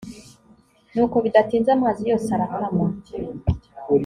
nuko bidatinze amazi yose arakama